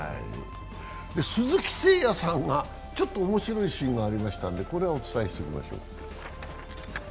鈴木誠也さんがちょっと面白いシーンがありましたんでこれはお伝えしておきましょう。